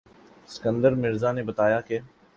اسکندر مرزا نے بتایا کہ